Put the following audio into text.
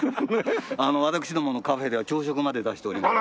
私どものカフェでは朝食まで出しております。